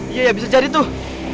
iya bisa jadi tuh